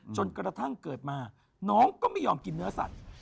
จนกระทั่งเกิดมาน้องก็ไม่ยอมกินเนื้อสัตว์